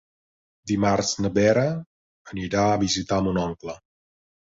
Dimarts na Vera anirà a visitar mon oncle.